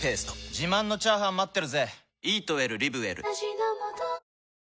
自慢のチャーハン待ってるぜ！